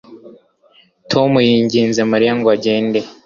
Tom yinginze Mariya ngo agende